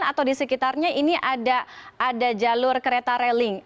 atau di sekitarnya ini ada jalur kereta railing